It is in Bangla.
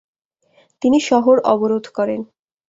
তিনি শহর অবরোধ করেন।